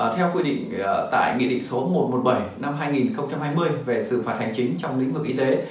theo quy định tại nghị định số một trăm một mươi bảy năm hai nghìn hai mươi về xử phạt hành chính trong lĩnh vực y tế